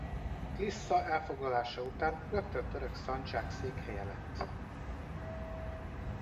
Klissza elfoglalása után rögtön török szandzsák székhelye lett.